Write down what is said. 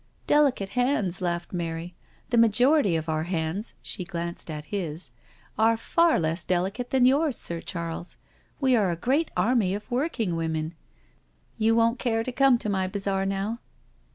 "Delicate hands I" laughed Mary. "The majority of our hands/' she glanced at his, " are far less delicate than yours, Sir Charles. We are a great army of work ing women. ..• You won't care to come to my bazaar now?'